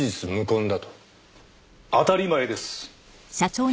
当たり前です。